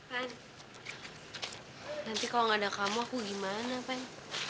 nanti kalau nggak ada kamu aku gimana pan